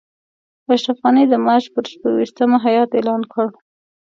اشرف غني د مارچ پر شپږویشتمه هیات اعلان کړ.